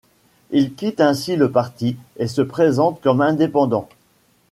Il quitte ainsi le parti et se présente comme indépendant.